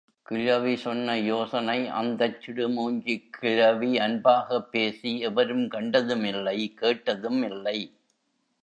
கிழவி சொன்ன யோசனை அந்தச் சிடுமூஞ்சிக் கிழவி அன்பாகப் பேசி எவரும் கண்டதும் இல்லை கேட்டதும் இல்லை.